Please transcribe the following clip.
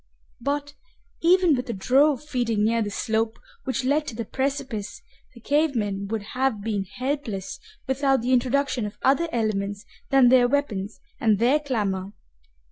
But, even with a drove feeding near the slope which led to the precipice, the cave men would have been helpless without the introduction of other elements than their weapons and their clamor.